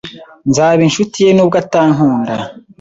Nzaba inshuti ye nubwo atankunda.